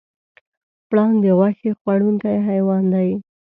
پړانګ د غوښې خوړونکی حیوان دی.